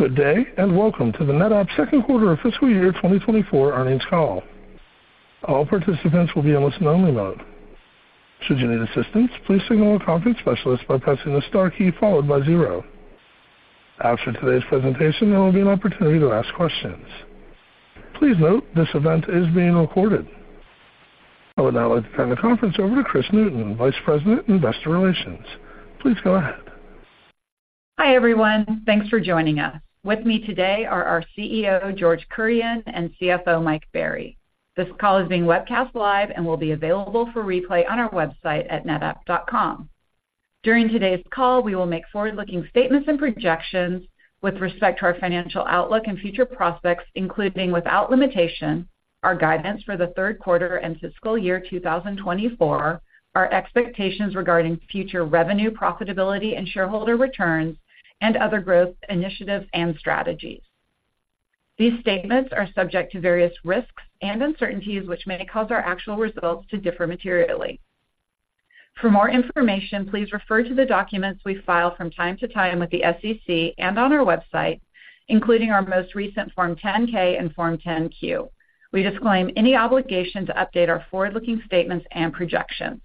Good day, and welcome to the NetApp second quarter of fiscal year 2024 earnings call. All participants will be in listen-only mode. Should you need assistance, please signal a conference specialist by pressing the star key followed by zero. After today's presentation, there will be an opportunity to ask questions. Please note, this event is being recorded. I would now like to turn the conference over to Kris Newton, Vice President, Investor Relations. Please go ahead. Hi, everyone. Thanks for joining us. With me today are our CEO, George Kurian, and CFO, Mike Berry. This call is being webcast live and will be available for replay on our website at netapp.com. During today's call, we will make forward-looking statements and projections with respect to our financial outlook and future prospects, including, without limitation, our guidance for the third quarter and fiscal year 2024, our expectations regarding future revenue, profitability, and shareholder returns, and other growth initiatives and strategies. These statements are subject to various risks and uncertainties, which may cause our actual results to differ materially. For more information, please refer to the documents we file from time to time with the SEC and on our website, including our most recent Form 10-K and Form 10-Q. We disclaim any obligation to update our forward-looking statements and projections.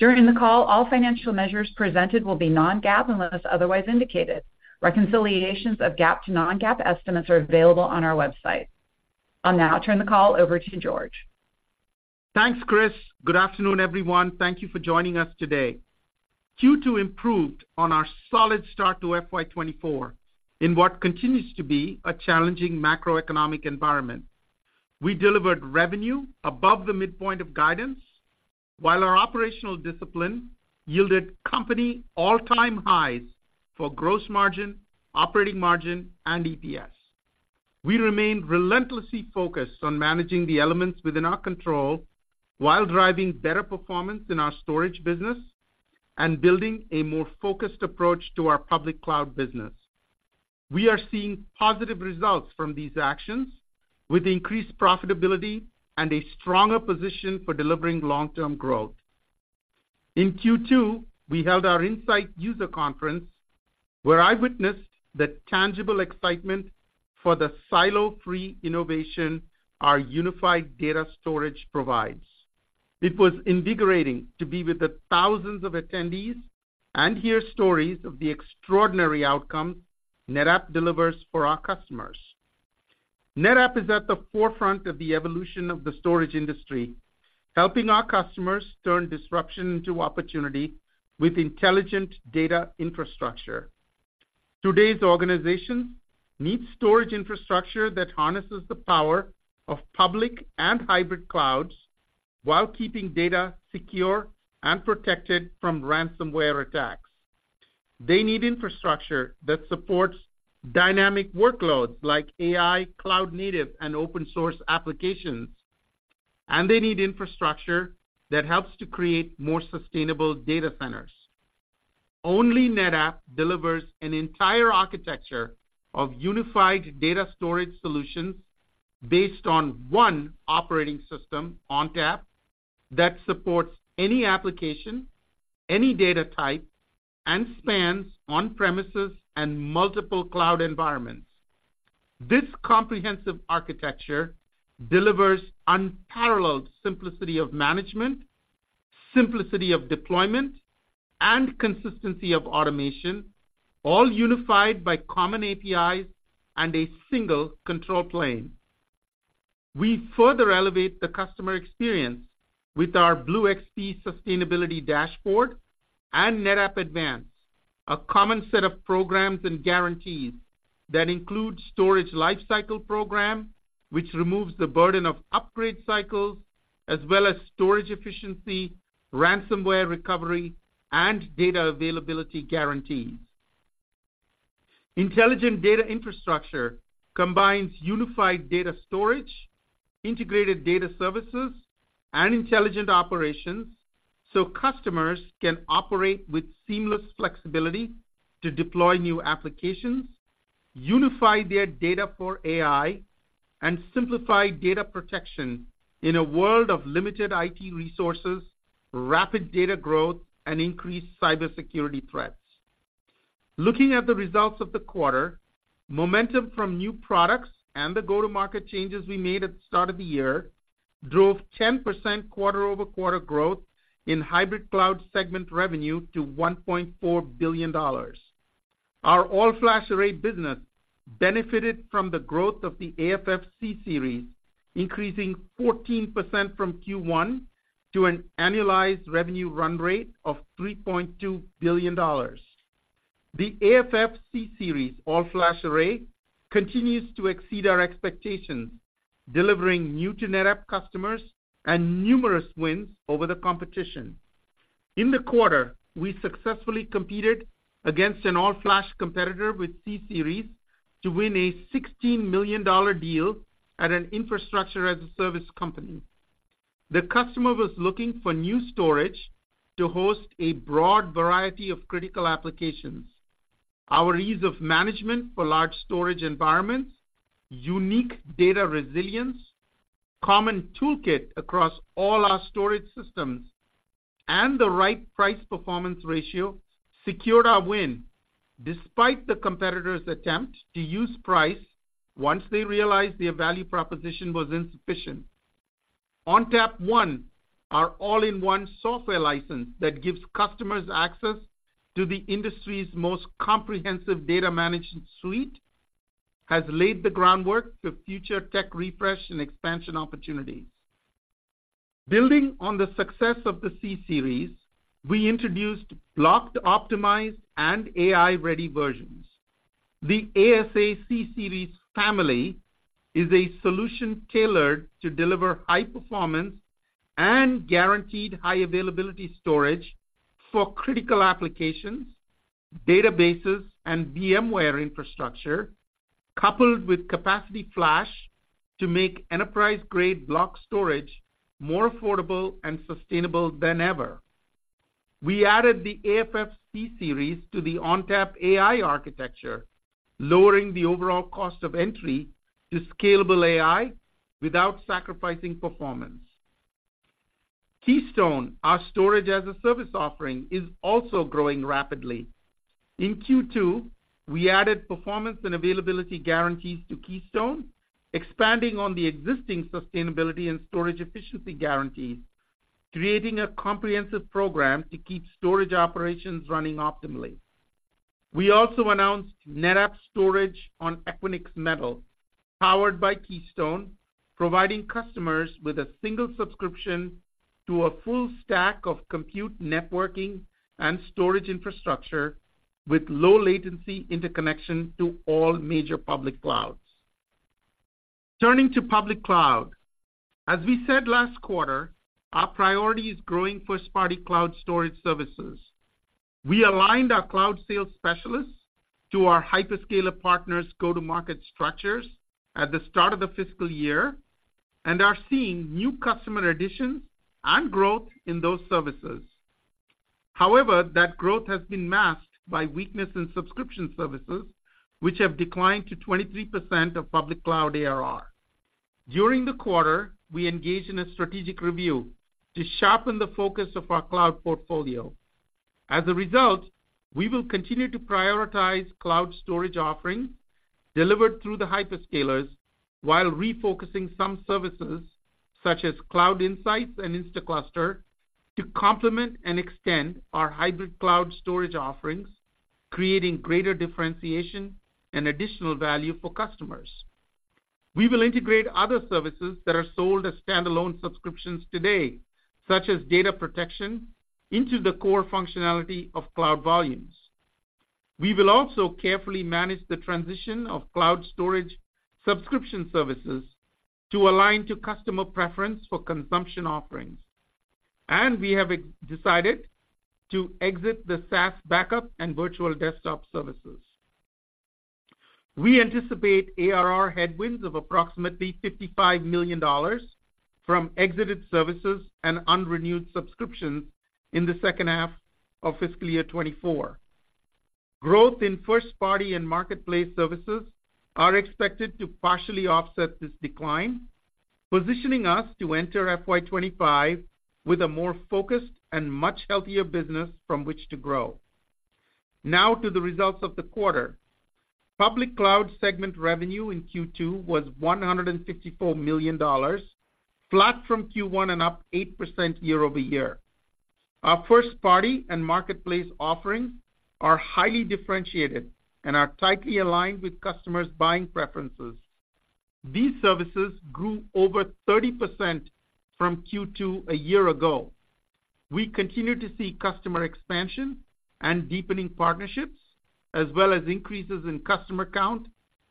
During the call, all financial measures presented will be non-GAAP unless otherwise indicated. Reconciliations of GAAP to non-GAAP estimates are available on our website. I'll now turn the call over to George. Thanks, Kris. Good afternoon, everyone. Thank you for joining us today. Q2 improved on our solid start to FY 2024 in what continues to be a challenging macroeconomic environment. We delivered revenue above the midpoint of guidance, while our operational discipline yielded company all-time highs for gross margin, operating margin, and EPS. We remained relentlessly focused on managing the elements within our control while driving better performance in our storage business and building a more focused approach to our public cloud business. We are seeing positive results from these actions with increased profitability and a stronger position for delivering long-term growth. In Q2, we held our Insight user conference, where I witnessed the tangible excitement for the silo-free innovation our unified data storage provides. It was invigorating to be with the thousands of attendees and hear stories of the extraordinary outcomes NetApp delivers for our customers. NetApp is at the forefront of the evolution of the storage industry, helping our customers turn disruption into opportunity with intelligent data infrastructure. Today's organizations need storage infrastructure that harnesses the power of public and hybrid clouds while keeping data secure and protected from ransomware attacks. They need infrastructure that supports dynamic workloads like AI, cloud-native, and open-source applications, and they need infrastructure that helps to create more sustainable data centers. Only NetApp delivers an entire architecture of unified data storage solutions based on one operating system, ONTAP, that supports any application, any data type, and spans on-premises and multiple cloud environments. This comprehensive architecture delivers unparalleled simplicity of management, simplicity of deployment, and consistency of automation, all unified by common APIs and a single control plane. We further elevate the customer experience with our BlueXP sustainability dashboard and NetApp Advance, a common set of programs and guarantees that include storage lifecycle program, which removes the burden of upgrade cycles, as well as storage efficiency, ransomware recovery, and data availability guarantees. Intelligent data infrastructure combines unified data storage, integrated data services, and intelligent operations, so customers can operate with seamless flexibility to deploy new applications, unify their data for AI, and simplify data protection in a world of limited IT resources, rapid data growth, and increased cybersecurity threats. Looking at the results of the quarter, momentum from new products and the go-to-market changes we made at the start of the year drove 10% quarter-over-quarter growth in hybrid cloud segment revenue to $1.4 billion. Our All-flash array business benefited from the growth of the AFF C-Series, increasing 14% from Q1 to an annualized revenue run rate of $3.2 billion. The AFF C-Series All-flash Array continues to exceed our expectations, delivering new-to-NetApp customers and numerous wins over the competition. In the quarter, we successfully competed against an all-flash competitor with C-Series to win a $16 million deal at an infrastructure as a service company. The customer was looking for new storage to host a broad variety of critical applications. Our ease of management for large storage environments, unique data resilience, common toolkit across all our storage systems,... and the right price-performance ratio secured our win, despite the competitor's attempt to use price once they realized their value proposition was insufficient. ONTAP One, our all-in-one software license that gives customers access to the industry's most comprehensive data management suite, has laid the groundwork for future tech refresh and expansion opportunities. Building on the success of the C-Series, we introduced block-optimized, and AI-ready versions. The ASA C-Series family is a solution tailored to deliver high performance and guaranteed high availability storage for critical applications, databases, and VMware infrastructure, coupled with capacity flash to make enterprise-grade block storage more affordable and sustainable than ever. We added the AFF C-Series to the ONTAP AI architecture, lowering the overall cost of entry to scalable AI without sacrificing performance. Keystone, our storage-as-a-service offering, is also growing rapidly. In Q2, we added performance and availability guarantees to Keystone, expanding on the existing sustainability and storage efficiency guarantees, creating a comprehensive program to keep storage operations running optimally. We also announced NetApp storage on Equinix Metal, powered by Keystone, providing customers with a single subscription to a full stack of compute, networking, and storage infrastructure, with low latency interconnection to all major public clouds. Turning to public cloud. As we said last quarter, our priority is growing first-party cloud storage services. We aligned our cloud sales specialists to our hyperscaler partners' go-to-market structures at the start of the fiscal year, and are seeing new customer additions and growth in those services. However, that growth has been masked by weakness in subscription services, which have declined to 23% of public cloud ARR. During the quarter, we engaged in a strategic review to sharpen the focus of our cloud portfolio. As a result, we will continue to prioritize cloud storage offerings delivered through the hyperscalers, while refocusing some services such as Cloud Insights and Instaclustr, to complement and extend our hybrid cloud storage offerings, creating greater differentiation and additional value for customers. We will integrate other services that are sold as standalone subscriptions today, such as data protection, into the core functionality of Cloud Volumes. We will also carefully manage the transition of cloud storage subscription services to align to customer preference for consumption offerings. And we have decided to exit the SaaS backup and virtual desktop services. We anticipate ARR headwinds of approximately $55 million from exited services and unrenewed subscriptions in the second half of fiscal year 2024. Growth in first-party and marketplace services are expected to partially offset this decline, positioning us to enter FY 25 with a more focused and much healthier business from which to grow. Now to the results of the quarter. Public cloud segment revenue in Q2 was $154 million, flat from Q1 and up 8% year-over-year. Our first-party and marketplace offerings are highly differentiated and are tightly aligned with customers' buying preferences. These services grew over 30% from Q2 a year ago. We continue to see customer expansion and deepening partnerships, as well as increases in customer count,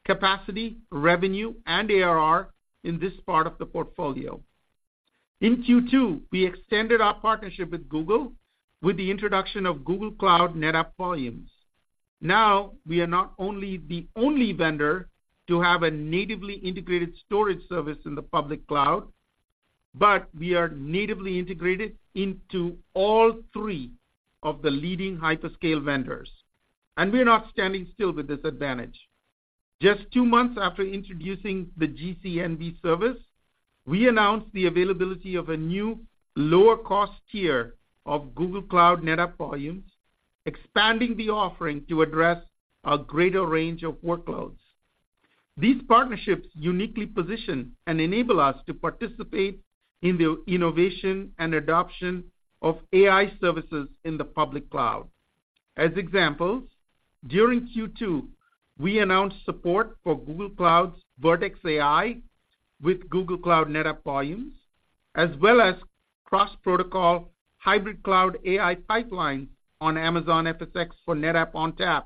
capacity, revenue, and ARR in this part of the portfolio. In Q2, we extended our partnership with Google with the introduction of Google Cloud NetApp Volumes. Now, we are not only the only vendor to have a natively integrated storage service in the public cloud, but we are natively integrated into all three of the leading hyperscale vendors, and we are not standing still with this advantage. Just two months after introducing the GCNV service, we announced the availability of a new lower cost tier of Google Cloud NetApp Volumes, expanding the offering to address a greater range of workloads. These partnerships uniquely position and enable us to participate in the innovation and adoption of AI services in the public cloud. As examples, during Q2, we announced support for Google Cloud's Vertex AI with Google Cloud NetApp Volumes, as well as cross-protocol hybrid cloud AI pipelines on Amazon FSx for NetApp ONTAP,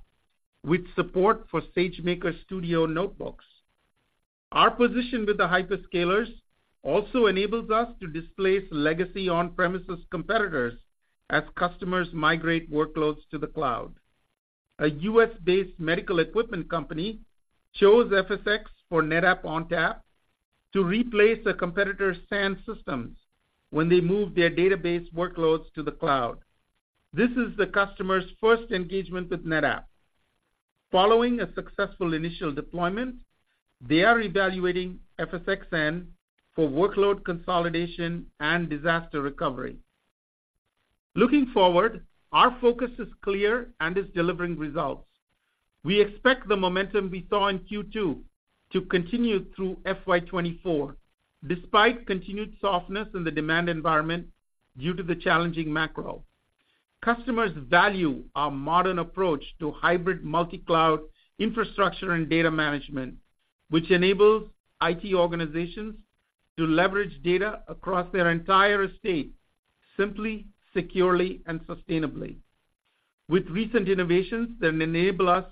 with support for SageMaker Studio notebooks. Our position with the hyperscalers also enables us to displace legacy on-premises competitors as customers migrate workloads to the cloud. A U.S.-based medical equipment company chose FSx for NetApp ONTAP to replace a competitor's SAN systems when they moved their database workloads to the cloud. This is the customer's first engagement with NetApp. Following a successful initial deployment, they are evaluating FSxN for workload consolidation and disaster recovery. Looking forward, our focus is clear and is delivering results. We expect the momentum we saw in Q2 to continue through FY 2024, despite continued softness in the demand environment due to the challenging macro. Customers value our modern approach to hybrid multi-cloud infrastructure and data management, which enables IT organizations to leverage data across their entire estate simply, securely and sustainably. With recent innovations that enable us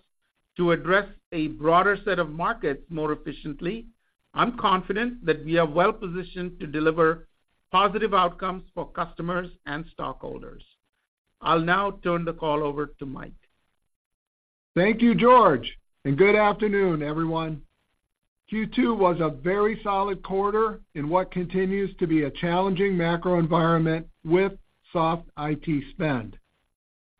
to address a broader set of markets more efficiently, I'm confident that we are well positioned to deliver positive outcomes for customers and stockholders. I'll now turn the call over to Mike. Thank you, George, and good afternoon, everyone. Q2 was a very solid quarter in what continues to be a challenging macro environment with soft IT spend.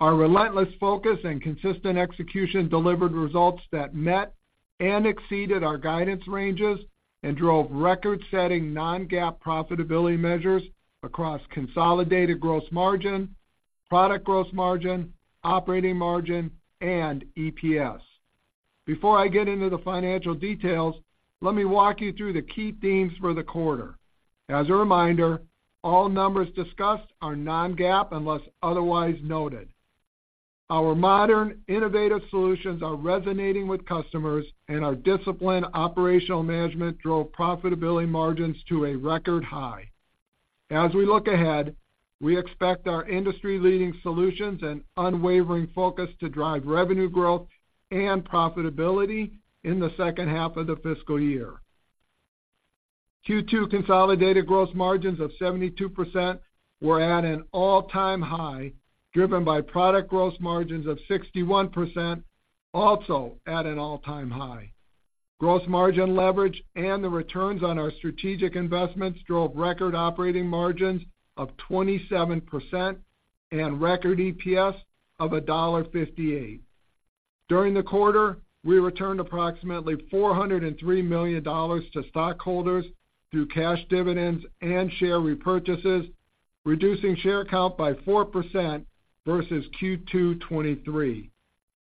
Our relentless focus and consistent execution delivered results that met and exceeded our guidance ranges and drove record-setting Non-GAAP profitability measures across consolidated gross margin, product gross margin, operating margin, and EPS. Before I get into the financial details, let me walk you through the key themes for the quarter. As a reminder, all numbers discussed are Non-GAAP unless otherwise noted. Our modern, innovative solutions are resonating with customers, and our disciplined operational management drove profitability margins to a record high. As we look ahead, we expect our industry-leading solutions and unwavering focus to drive revenue growth and profitability in the second half of the fiscal year. Q2 consolidated gross margins of 72% were at an all-time high, driven by product gross margins of 61%, also at an all-time high. Gross margin leverage and the returns on our strategic investments drove record operating margins of 27% and record EPS of $1.58. During the quarter, we returned approximately $403 million to stockholders through cash dividends and share repurchases, reducing share count by 4% versus Q2 2023.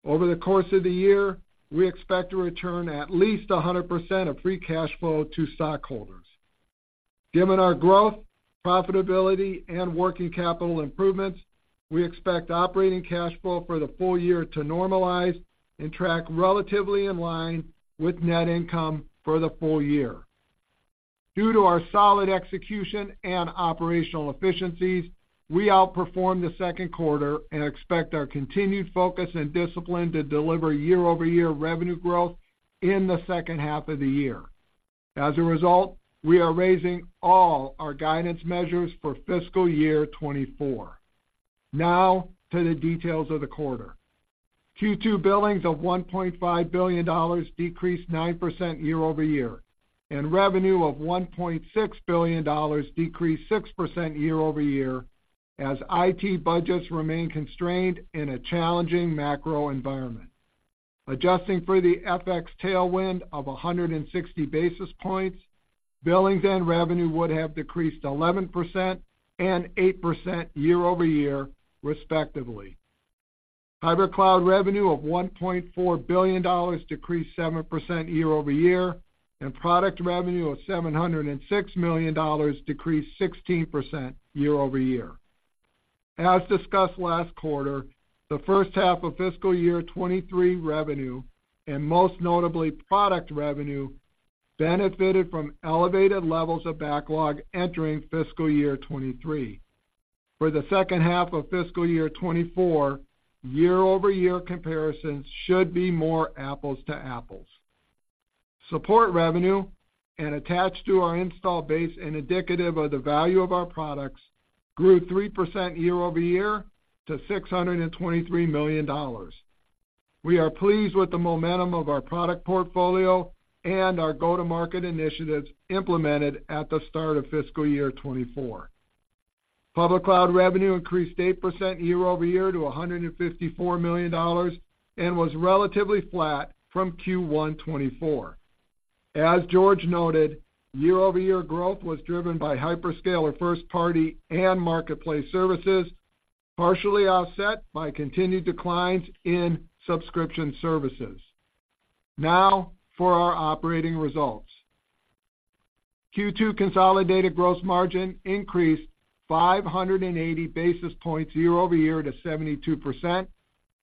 Over the course of the year, we expect to return at least 100% of free cash flow to stockholders. Given our growth, profitability, and working capital improvements, we expect operating cash flow for the full year to normalize and track relatively in line with net income for the full year. Due to our solid execution and operational efficiencies, we outperformed the second quarter and expect our continued focus and discipline to deliver year-over-year revenue growth in the second half of the year. As a result, we are raising all our guidance measures for fiscal year 2024. Now to the details of the quarter. Q2 billings of $1.5 billion decreased 9% year-over-year, and revenue of $1.6 billion decreased 6% year-over-year, as IT budgets remain constrained in a challenging macro environment. Adjusting for the FX tailwind of 160 basis points, billings and revenue would have decreased 11% and 8% year-over-year, respectively. Hybrid cloud revenue of $1.4 billion decreased 7% year-over-year, and product revenue of $706 million decreased 16% year-over-year. As discussed last quarter, the first half of fiscal year 2023 revenue, and most notably product revenue, benefited from elevated levels of backlog entering fiscal year 2023. For the second half of fiscal year 2024, year-over-year comparisons should be more apples to apples. Support revenue, and attached to our install base and indicative of the value of our products, grew 3% year over year to $623 million. We are pleased with the momentum of our product portfolio and our go-to-market initiatives implemented at the start of fiscal year 2024. Public cloud revenue increased 8% year over year to $154 million and was relatively flat from Q1 2024. As George noted, year-over-year growth was driven by hyperscaler, first party, and marketplace services, partially offset by continued declines in subscription services. Now, for our operating results. Q2 consolidated gross margin increased 580 basis points year-over-year to 72%,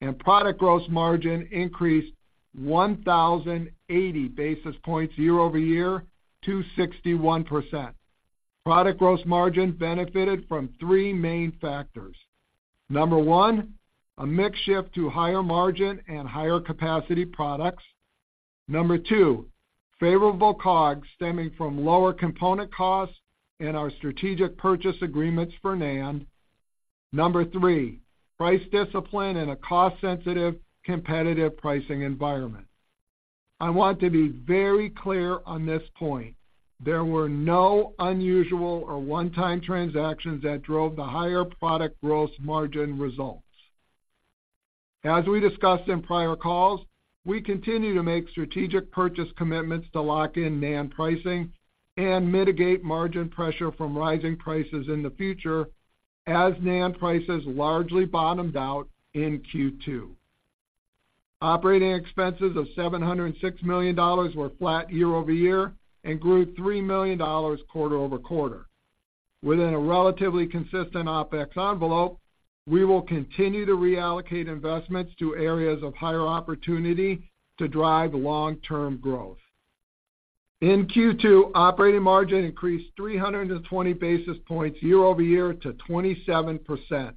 and product gross margin increased 1,080 basis points year-over-year to 61%. Product gross margin benefited from three main factors. Number one, a mix shift to higher margin and higher capacity products. Number two, favorable COGS stemming from lower component costs and our strategic purchase agreements for NAND. Number three, price discipline in a cost-sensitive, competitive pricing environment. I want to be very clear on this point, there were no unusual or one-time transactions that drove the higher product gross margin results. As we discussed in prior calls, we continue to make strategic purchase commitments to lock in NAND pricing and mitigate margin pressure from rising prices in the future, as NAND prices largely bottomed out in Q2. Operating expenses of $706 million were flat year-over-year and grew $3 million quarter-over-quarter. Within a relatively consistent OpEx envelope, we will continue to reallocate investments to areas of higher opportunity to drive long-term growth. In Q2, operating margin increased 320 basis points year-over-year to 27%,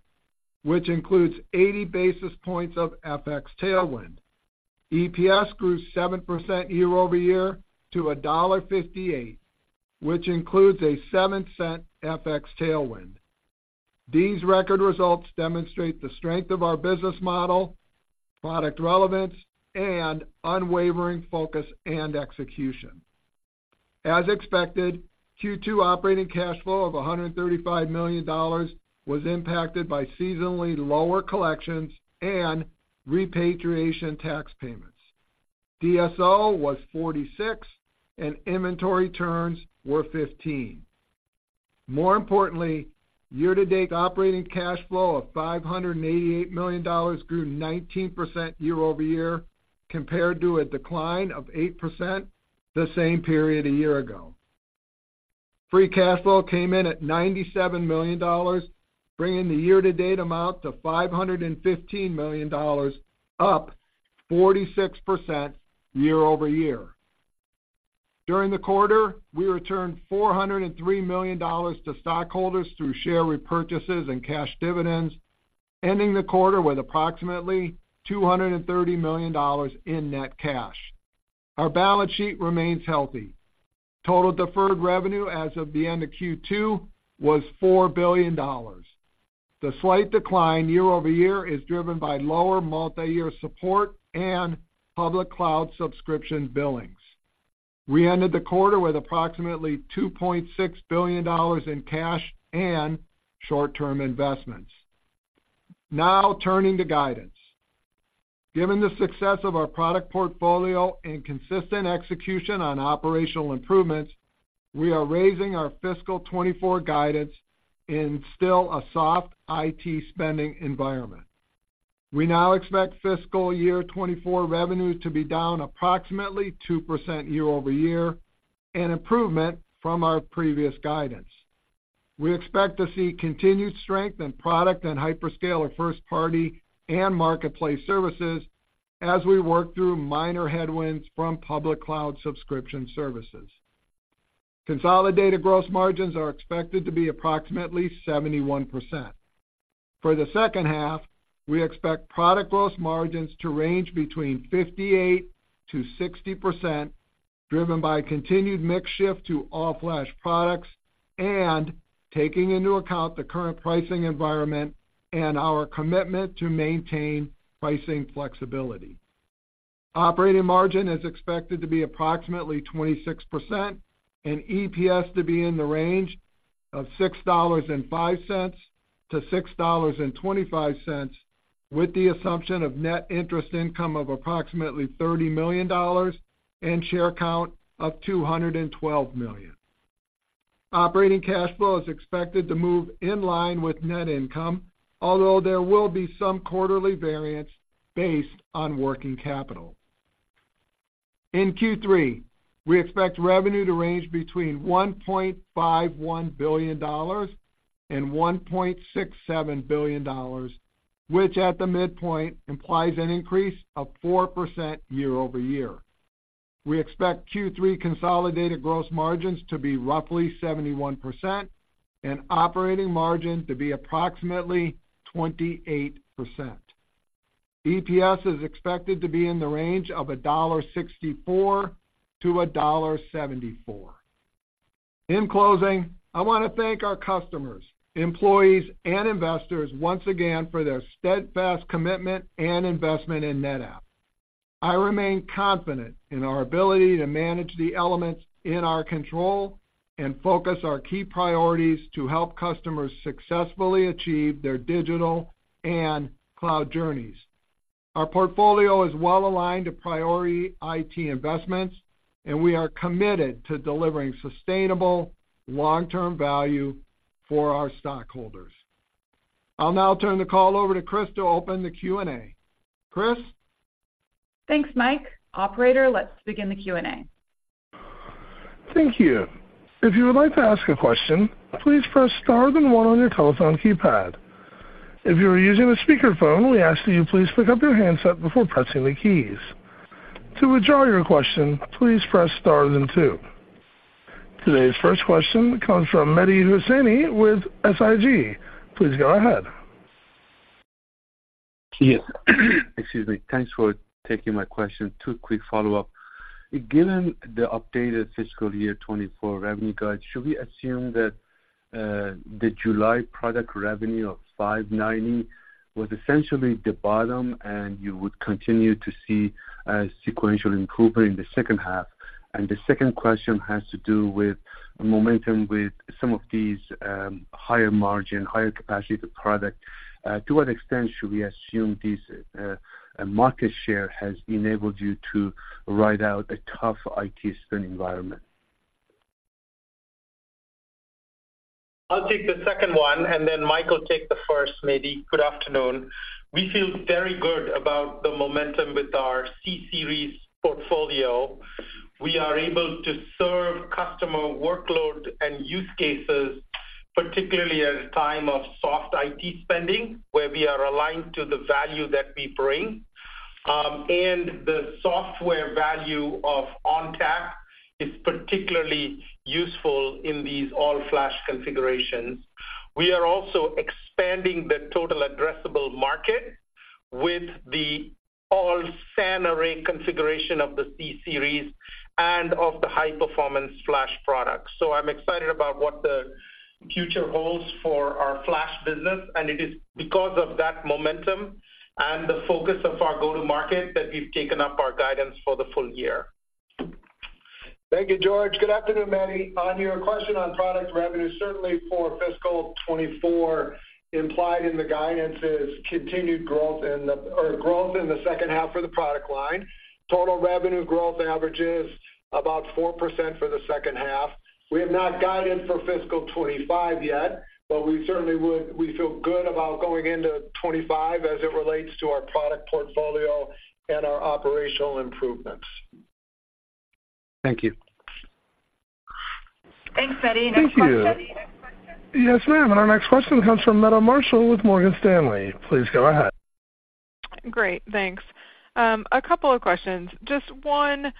which includes 80 basis points of FX tailwind. EPS grew 7% year-over-year to $1.58, which includes a $0.07 FX tailwind. These record results demonstrate the strength of our business model, product relevance, and unwavering focus and execution. As expected, Q2 operating cash flow of $135 million was impacted by seasonally lower collections and repatriation tax payments. DSO was 46, and inventory turns were 15. More importantly, year-to-date operating cash flow of $588 million grew 19% year-over-year, compared to a decline of 8% the same period a year ago. Free cash flow came in at $97 million, bringing the year-to-date amount to $515 million, up 46% year-over-year. During the quarter, we returned $403 million to stockholders through share repurchases and cash dividends, ending the quarter with approximately $230 million in net cash. Our balance sheet remains healthy. Total deferred revenue as of the end of Q2 was $4 billion. The slight decline year-over-year is driven by lower multi-year support and public cloud subscription billings. We ended the quarter with approximately $2.6 billion in cash and short-term investments. Now, turning to guidance. Given the success of our product portfolio and consistent execution on operational improvements, we are raising our fiscal 2024 guidance in still a soft IT spending environment. We now expect fiscal year 2024 revenues to be down approximately 2% year-over-year, an improvement from our previous guidance. We expect to see continued strength in product and hyperscaler first-party and marketplace services as we work through minor headwinds from public cloud subscription services. Consolidated gross margins are expected to be approximately 71%. For the second half, we expect product gross margins to range between 58%-60%, driven by continued mix shift to all-flash products and taking into account the current pricing environment and our commitment to maintain pricing flexibility. Operating margin is expected to be approximately 26%, and EPS to be in the range of $6.05-$6.25, with the assumption of net interest income of approximately $30 million and share count of 212 million. Operating cash flow is expected to move in line with net income, although there will be some quarterly variance based on working capital. In Q3, we expect revenue to range between $1.51 billion and $1.67 billion, which at the midpoint implies an increase of 4% year-over-year. We expect Q3 consolidated gross margins to be roughly 71% and operating margin to be approximately 28%. EPS is expected to be in the range of $1.64-$1.74. In closing, I want to thank our customers, employees, and investors once again for their steadfast commitment and investment in NetApp. I remain confident in our ability to manage the elements in our control and focus our key priorities to help customers successfully achieve their digital and cloud journeys. Our portfolio is well aligned to priority IT investments, and we are committed to delivering sustainable long-term value for our stockholders. I'll now turn the call over to Kris to open the Q&A. Kris? Thanks, Mike. Operator, let's begin the Q&A. Thank you. If you would like to ask a question, please press Star then one on your telephone keypad. If you are using a speakerphone, we ask that you please pick up your handset before pressing the keys. To withdraw your question, please press Star then two. Today's first question comes from Mehdi Hosseini with SIG. Please go ahead. Yes. Excuse me. Thanks for taking my question. Two quick follow-ups: Given the updated fiscal year 2024 revenue guide, should we assume that the July product revenue of $590 was essentially the bottom, and you would continue to see a sequential improvement in the second half? And the second question has to do with momentum with some of these higher margin, higher capacity product. To what extent should we assume this market share has enabled you to ride out a tough IT spend environment? I'll take the second one, and then Mike will take the first, maybe. Good afternoon. We feel very good about the momentum with our C-Series portfolio. We are able to serve customer workload and use cases, particularly at a time of soft IT spending, where we are aligned to the value that we bring. And the software value of ONTAP is particularly useful in these all-flash configurations. We are also expanding the total addressable market with the all SAN array configuration of the C-Series and of the high-performance flash products. So I'm excited about what the future holds for our flash business, and it is because of that momentum and the focus of our go-to-market that we've taken up our guidance for the full year. Thank you, George. Good afternoon, Mehdi. On your question on product revenue, certainly for fiscal 2024, implied in the guidance is continued growth in the, or growth in the second half for the product line. Total revenue growth averages about 4% for the second half. We have not guided for fiscal 2025 yet, but we certainly would, we feel good about going into 2025 as it relates to our product portfolio and our operational improvements. Thank you. Thanks, Mehdi. Next question? Thank you. Yes, ma'am, and our next question comes from Meta Marshall with Morgan Stanley. Please go ahead. Great, thanks. A couple of questions. Just one,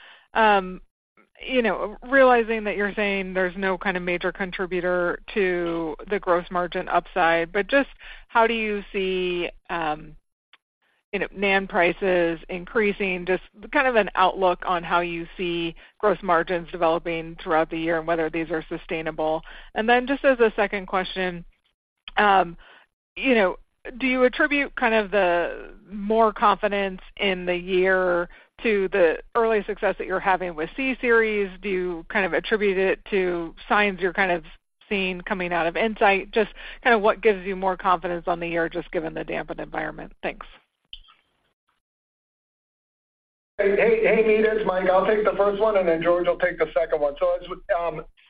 you know, realizing that you're saying there's no kind of major contributor to the gross margin upside, but just how do you see, you know, NAND prices increasing? Just kind of an outlook on how you see gross margins developing throughout the year and whether these are sustainable. And then just as a second question, you know, do you attribute kind of the more confidence in the year to the early success that you're having with C-Series? Do you kind of attribute it to signs you're kind of seeing coming out of Insight? Just kind of what gives you more confidence on the year, just given the dampened environment? Thanks. Hey, hey, Meta, it's Mike. I'll take the first one, and then George will take the second one. So as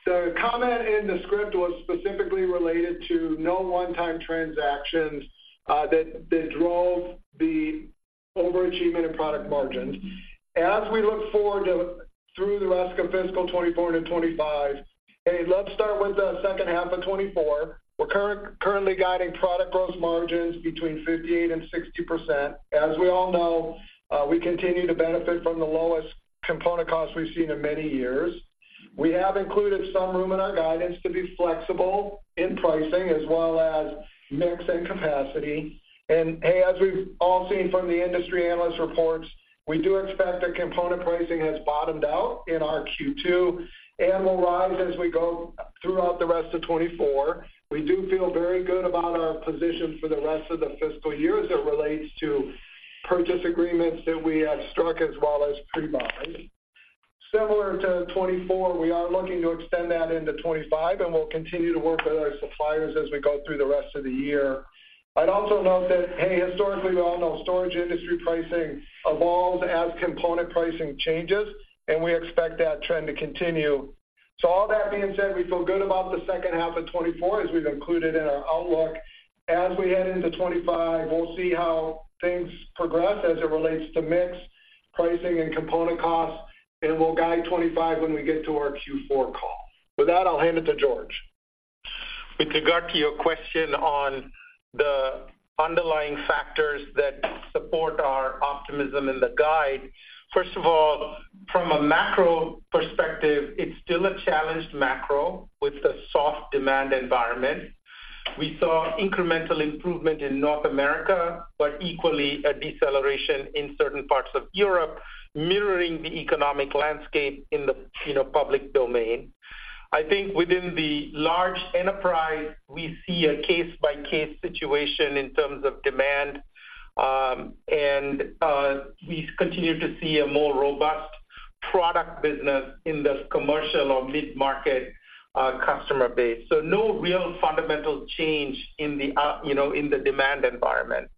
the comment in the script was specifically related to no one-time transactions that drove the overachievement in product margins. As we look forward to through the rest of fiscal 2024 into 2025, hey, let's start with the second half of 2024. We're currently guiding product gross margins between 58%-60%. As we all know, we continue to benefit from the lowest component costs we've seen in many years. We have included some room in our guidance to be flexible in pricing, as well as mix and capacity. And, hey, as we've all seen from the industry analyst reports, we do expect that component pricing has bottomed out in our Q2 and will rise as we go throughout the rest of 2024. We do feel very good about our position for the rest of the fiscal year as it relates to purchase agreements that we have struck, as well as pre-buying. Similar to 2024, we are looking to extend that into 2025, and we'll continue to work with our suppliers as we go through the rest of the year. I'd also note that, hey, historically, we all know storage industry pricing evolves as component pricing changes, and we expect that trend to continue. So all that being said, we feel good about the second half of 2024, as we've included in our outlook. As we head into 2025, we'll see how things progress as it relates to mix, pricing, and component costs, and we'll guide 2025 when we get to our Q4 call. With that, I'll hand it to George. With regard to your question on the underlying factors that support our optimism in the guide. First of all, from a macro perspective, it's still a challenged macro with a soft demand environment. We saw incremental improvement in North America, but equally a deceleration in certain parts of Europe, mirroring the economic landscape in the, you know, public domain. I think within the large enterprise, we see a case-by-case situation in terms of demand, and we continue to see a more robust product business in the commercial or mid-market customer base. So no real fundamental change in the, you know, in the demand environment.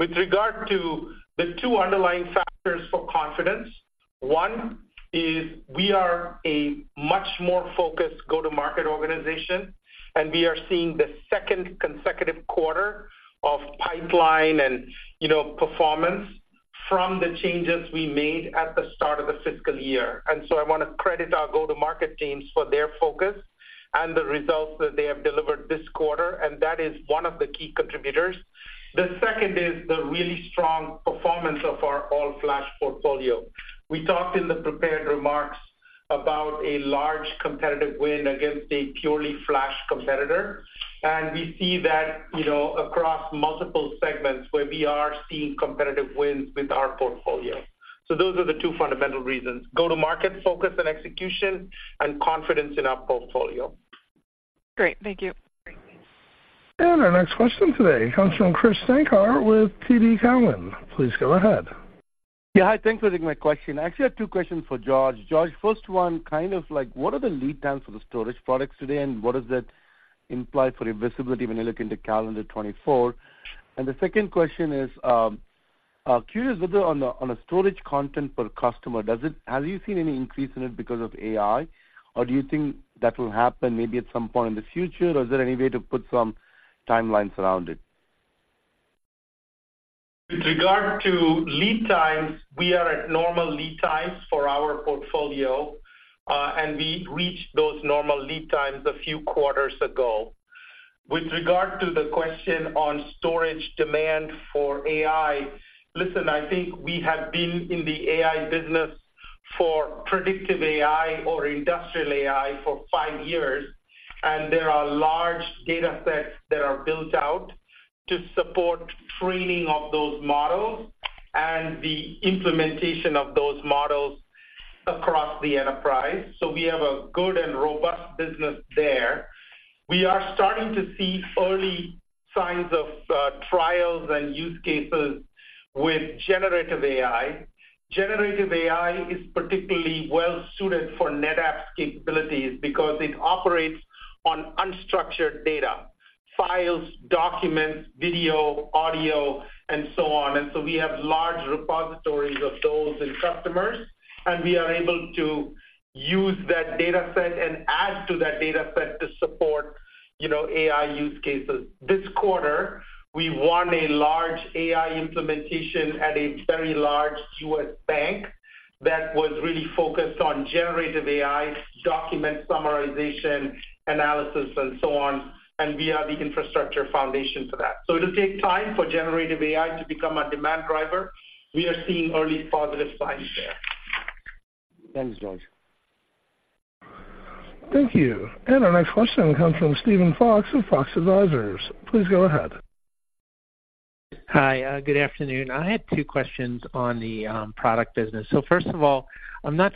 With regard to the two underlying factors for confidence, one is we are a much more focused go-to-market organization, and we are seeing the second consecutive quarter of pipeline and, you know, performance from the changes we made at the start of the fiscal year. And so I want to credit our go-to-market teams for their focus and the results that they have delivered this quarter, and that is one of the key contributors. The second is the really strong performance of our all-flash portfolio. We talked in the prepared remarks about a large competitive win against a purely flash competitor, and we see that, you know, across multiple segments where we are seeing competitive wins with our portfolio.... So those are the two fundamental reasons. Go-to-market focus and execution, and confidence in our portfolio. Great. Thank you. Our next question today comes from Krish Sankar with TD Cowen. Please go ahead. Yeah. Hi, thanks for taking my question. I actually have two questions for George. George, first one, kind of like, what are the lead times for the storage products today, and what does that imply for your visibility when you look into calendar 2024? And the second question is, curious whether on the, on the storage content per customer, does it have you seen any increase in it because of AI? Or do you think that will happen maybe at some point in the future, or is there any way to put some timelines around it? With regard to lead times, we are at normal lead times for our portfolio, and we reached those normal lead times a few quarters ago. With regard to the question on storage demand for AI, listen, I think we have been in the AI business for predictive AI or industrial AI for five years, and there are large data sets that are built out to support training of those models and the implementation of those models across the enterprise. So we have a good and robust business there. We are starting to see early signs of trials and use cases with generative AI. Generative AI is particularly well suited for NetApp's capabilities because it operates on unstructured data, files, documents, video, audio, and so on. So we have large repositories of those in customers, and we are able to use that data set and add to that data set to support, you know, AI use cases. This quarter, we won a large AI implementation at a very large U.S. bank that was really focused on generative AI, document summarization, analysis, and so on, and we are the infrastructure foundation for that. It'll take time for generative AI to become a demand driver. We are seeing early positive signs there. Thanks, George. Thank you. Our next question comes from Steven Fox of Fox Advisors. Please go ahead. Hi, good afternoon. I had two questions on the product business. So first of all, I'm not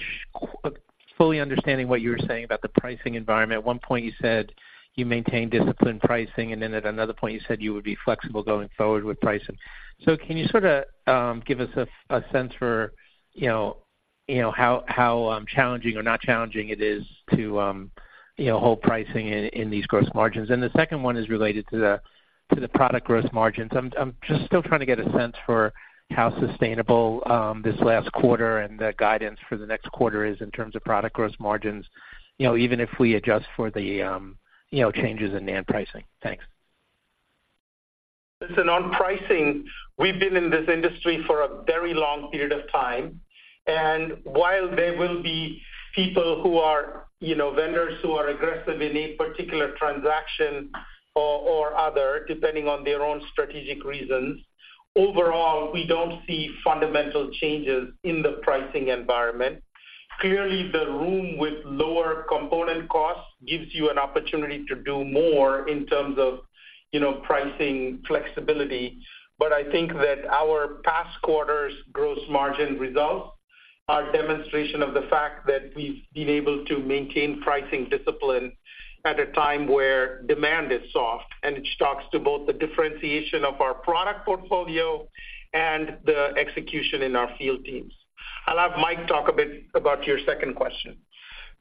fully understanding what you were saying about the pricing environment. At one point, you said you maintain disciplined pricing, and then at another point you said you would be flexible going forward with pricing. So can you sorta give us a sense for, you know, how challenging or not challenging it is to, you know, hold pricing in these gross margins? And the second one is related to the product gross margins. I'm just still trying to get a sense for how sustainable this last quarter and the guidance for the next quarter is in terms of product gross margins, you know, even if we adjust for the changes in NAND pricing. Thanks. Listen, on pricing, we've been in this industry for a very long period of time, and while there will be people who are, you know, vendors who are aggressive in a particular transaction or, or other, depending on their own strategic reasons, overall, we don't see fundamental changes in the pricing environment. Clearly, the room with lower component costs gives you an opportunity to do more in terms of, you know, pricing flexibility. But I think that our past quarters' gross margin results are a demonstration of the fact that we've been able to maintain pricing discipline at a time where demand is soft, and it talks to both the differentiation of our product portfolio and the execution in our field teams. I'll have Mike talk a bit about your second question.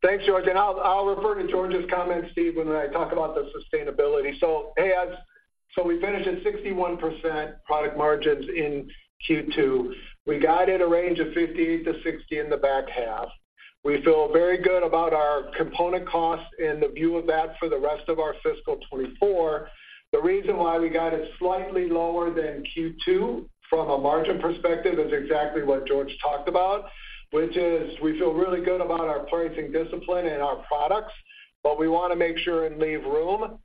Thanks, George, and I'll refer to George's comments, Steve, when I talk about the sustainability. So we finished at 61% product margins in Q2. We guided a range of 58%-60% in the back half. We feel very good about our component costs and the view of that for the rest of our fiscal 2024. The reason why we got it slightly lower than Q2, from a margin perspective, is exactly what George talked about, which is we feel really good about our pricing discipline and our products, but we want to make sure and leave room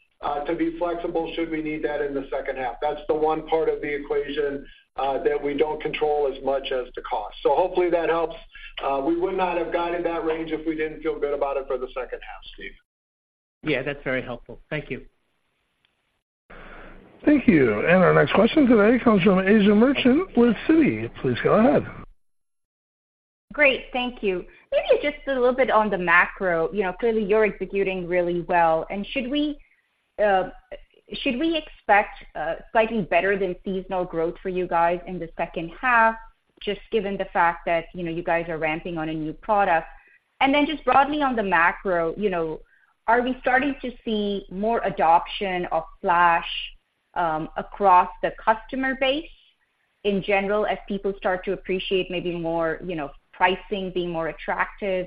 to be flexible should we need that in the second half. That's the one part of the equation that we don't control as much as the cost. So hopefully, that helps. We would not have guided that range if we didn't feel good about it for the second half, Steve. Yeah, that's very helpful. Thank you. Thank you. Our next question today comes from Asiya Merchant with Citi. Please go ahead. Great. Thank you. Maybe just a little bit on the macro. You know, clearly, you're executing really well, and should we expect slightly better than seasonal growth for you guys in the second half, just given the fact that, you know, you guys are ramping on a new product? And then just broadly on the macro, you know, are we starting to see more adoption of Flash across the customer base in general, as people start to appreciate maybe more, you know, pricing being more attractive,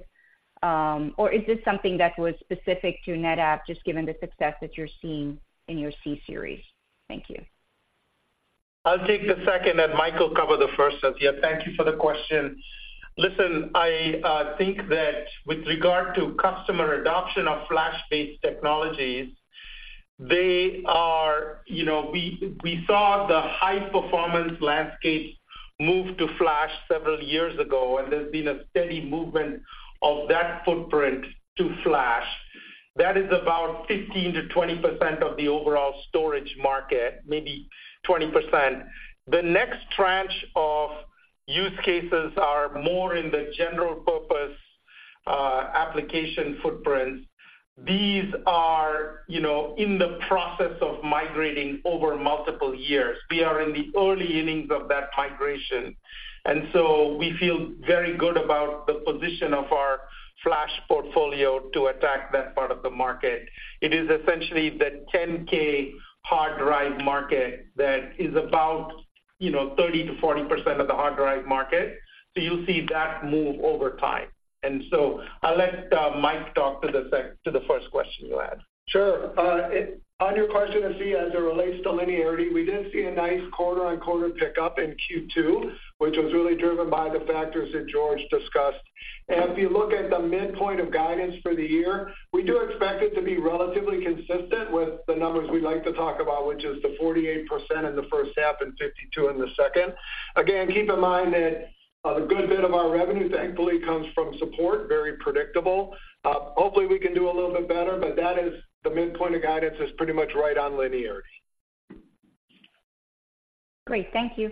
or is this something that was specific to NetApp, just given the success that you're seeing in your C-Series? Thank you. I'll take the second, and Mike will cover the first set here. Thank you for the question. Listen, I think that with regard to customer adoption of Flash-based technologies, they are. You know, we saw the high-performance landscape move to Flash several years ago, and there's been a steady movement of that footprint to Flash. That is about 15%-20% of the overall storage market, maybe 20%. The next tranche of use cases are more in the general purpose application footprints. These are, you know, in the process of migrating over multiple years. We are in the early innings of that migration, and so we feel very good about the position of our flash portfolio to attack that part of the market. It is essentially the 10K hard drive market that is about, you know, 30%-40% of the hard drive market. So you'll see that move over time. And so I'll let Mike talk to the second to the first question you had. Sure. On your question, Asiya, as it relates to linearity, we did see a nice quarter-on-quarter pickup in Q2, which was really driven by the factors that George discussed. If you look at the midpoint of guidance for the year, we do expect it to be relatively consistent with the numbers we like to talk about, which is the 48% in the first half and 52 in the second. Again, keep in mind that a good bit of our revenue thankfully comes from support, very predictable. Hopefully, we can do a little bit better, but that is the midpoint of guidance is pretty much right on linearity. Great. Thank you.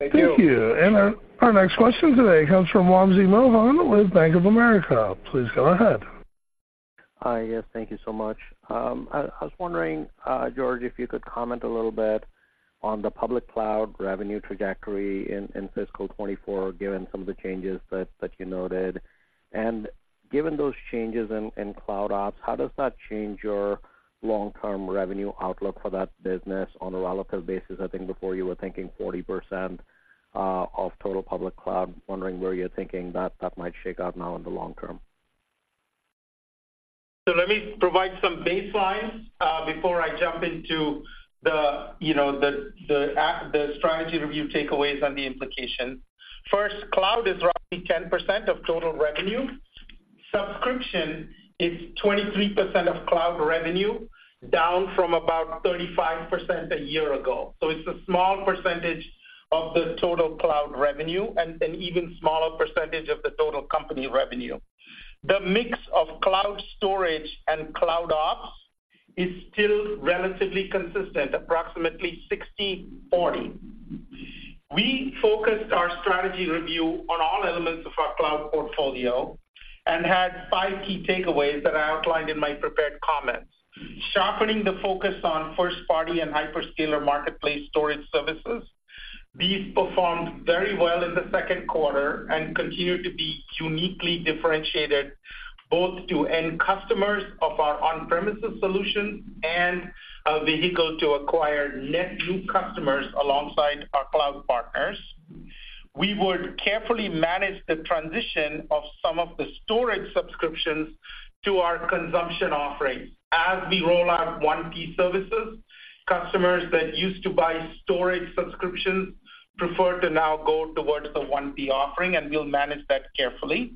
Thank you. Thank you. Our next question today comes from Wamsi Mohan with Bank of America. Please go ahead. Hi. Yes, thank you so much. I was wondering, George, if you could comment a little bit on the public cloud revenue trajectory in fiscal 2024, given some of the changes that you noted. And given those changes in cloud ops, how does that change your long-term revenue outlook for that business on a relative basis? I think before you were thinking 40% of total public cloud. Wondering where you're thinking that might shake out now in the long term. So let me provide some baselines, before I jump into the, you know, the strategy review takeaways and the implications. First, cloud is roughly 10% of total revenue. Subscription is 23% of cloud revenue, down from about 35% a year ago. So it's a small percentage of the total cloud revenue and an even smaller percentage of the total company revenue. The mix of cloud storage and cloud ops is still relatively consistent, approximately 60/40. We focused our strategy review on all elements of our cloud portfolio and had five key takeaways that I outlined in my prepared comments. Sharpening the focus on first-party and hyperscaler marketplace storage services. These performed very well in the second quarter and continue to be uniquely differentiated, both to end customers of our on-premises solution and a vehicle to acquire net new customers alongside our cloud partners. We would carefully manage the transition of some of the storage subscriptions to our consumption offerings. As we roll out ONTAP services, customers that used to buy storage subscriptions prefer to now go towards the ONTAP offering, and we'll manage that carefully.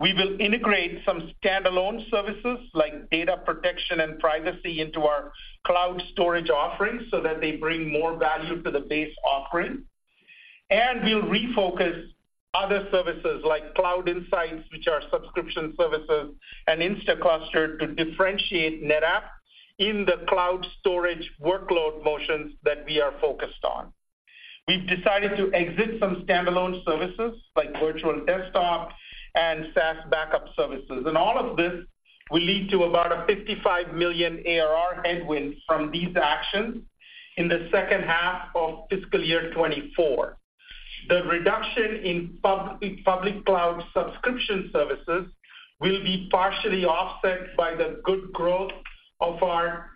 We will integrate some standalone services, like data protection and privacy, into our cloud storage offerings so that they bring more value to the base offering. We'll refocus other services like Cloud Insights, which are subscription services, and Instaclustr to differentiate NetApp in the cloud storage workload motions that we are focused on. We've decided to exit some standalone services like virtual desktop and SaaS backup services. All of this will lead to about a $55 million ARR headwind from these actions in the second half of fiscal year 2024. The reduction in public cloud subscription services will be partially offset by the good growth of our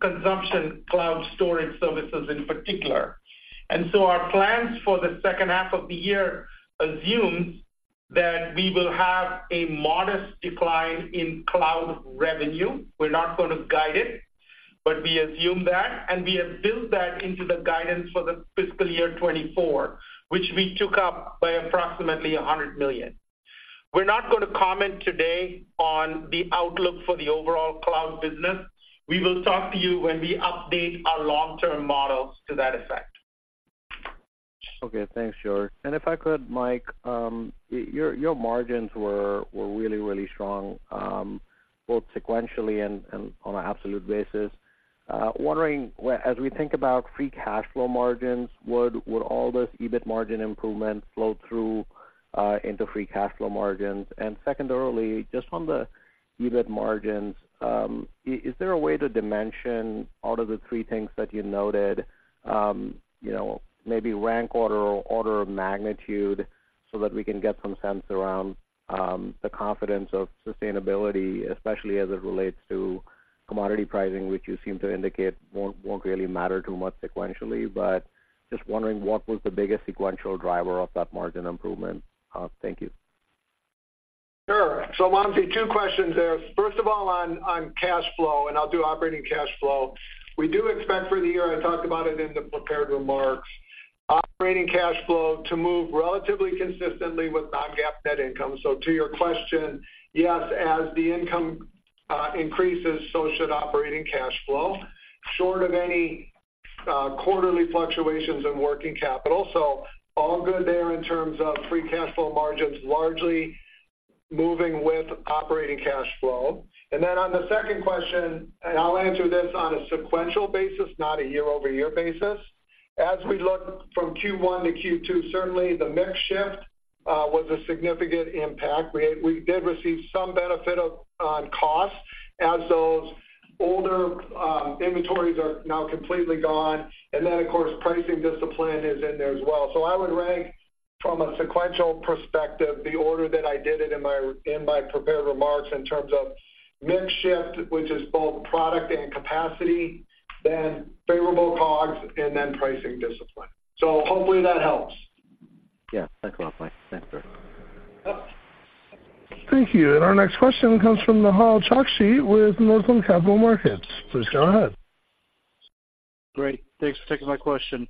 consumption cloud storage services in particular. So our plans for the second half of the year assumes that we will have a modest decline in cloud revenue. We're not going to guide it, but we assume that, and we have built that into the guidance for the fiscal year 2024, which we took up by approximately $100 million. We're not going to comment today on the outlook for the overall cloud business. We will talk to you when we update our long-term models to that effect. Okay, thanks, George. And if I could, Mike, your margins were really strong both sequentially and on an absolute basis. Wondering, well, as we think about free cash flow margins, would all this EBIT margin improvement flow through into free cash flow margins? And secondarily, just on the EBIT margins, is there a way to dimension out of the three things that you noted, you know, maybe rank order or order of magnitude so that we can get some sense around the confidence of sustainability, especially as it relates to commodity pricing, which you seem to indicate won't really matter too much sequentially. But just wondering, what was the biggest sequential driver of that margin improvement? Thank you. Sure. So Wamsi, two questions there. First of all, on cash flow, and I'll do operating cash flow. We do expect for the year, I talked about it in the prepared remarks, operating cash flow to move relatively consistently with non-GAAP net income. So to your question, yes, as the income increases, so should operating cash flow. Short of any quarterly fluctuations in working capital. So all good there in terms of free cash flow margins, largely moving with operating cash flow. And then on the second question, and I'll answer this on a sequential basis, not a year-over-year basis. As we look from Q1 to Q2, certainly the mix shift was a significant impact. We did receive some benefit on cost as those older inventories are now completely gone, and then, of course, pricing discipline is in there as well. So, I would rank from a sequential perspective the order that I did it in my, in my prepared remarks in terms of mix shift, which is both product and capacity, then favorable COGS, and then pricing discipline. So hopefully that helps. Yes, that's helpful. Thanks, sir. Yep. Thank you. Our next question comes from Nehal Chokshi with Northland Capital Markets. Please go ahead. Great. Thanks for taking my question.